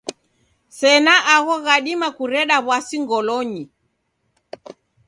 Sena agho ghadima kureda w'asi ngolonyi.